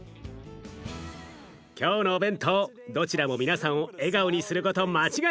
今日のお弁当どちらも皆さんを笑顔にすること間違いなし。